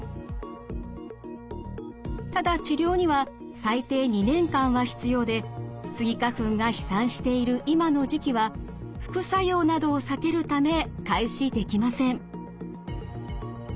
ただ治療には最低２年間は必要でスギ花粉が飛散している今の時期は副作用などを避けるため開始できません。